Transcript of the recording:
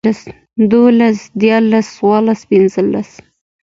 دولس ديارلس څوارلس پنځلس